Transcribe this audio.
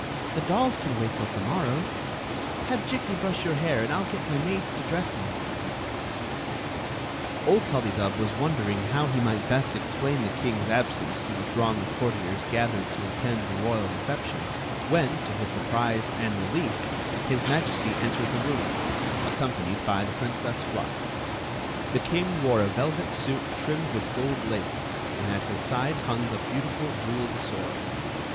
The dolls can wait tiU to morrow. Have Jikki brush your hair, and I 11 get my maids to dress me!" Queen Zixi of Ix; or, the Old TuUydub was wondering how he might best explain the king's absence to the throng of courtiers gathered to attend the royal reception, when, to his surprise and relief, his Majesty entered the room, accompanied by the Princess FluE The king wore a velvet suit trimmed with gold lace, and at his side hung the beautiful jeweled sword.